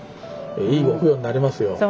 いいご供養になりますよ。